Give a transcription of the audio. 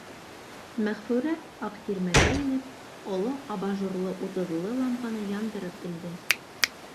Мәғфүрә, аҡ тирмәгә инеп, оло абажурлы утыҙлы лампаны яндырып элде.